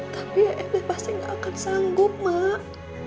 tapi em pasti tidak akan sanggup mak